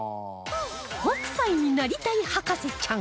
北斎になりたい博士ちゃん